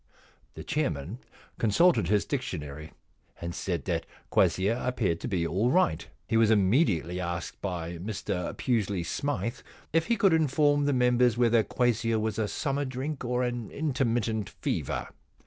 The chairman consulted his dictionary and said that quassia appeared to be all right. He was immediately asked by Mr Pusely Smythe if he could inform the members whether quassia was a summer drink or an intermittent fever.